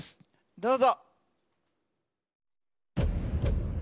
どうぞ。